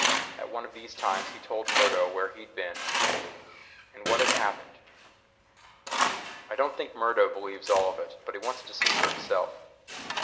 At one of these times he told Murdo where he'd been and what had happened. I don't think Murdo believes all of it but he wants to see for himself.